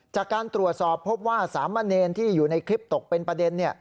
จากการตรวจสอบพบว่าสามเณรที่อยู่ในคลิปตกเป็นประเด็น